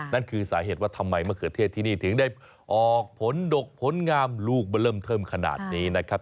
นั่นคือสาเหตุว่าทำไมมะเขือเทศที่นี่ถึงได้ออกผลดกผลงามลูกมันเริ่มเทิมขนาดนี้นะครับ